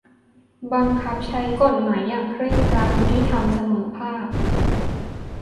บังคับใช้กฎหมายอย่างเคร่งครัด ยุติธรรม เสมอภาค